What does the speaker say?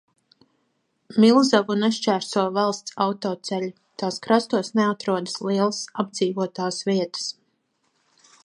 Milzavu nešķērso valsts autoceļi, tās krastos neatrodas lielas apdzīvotās vietas.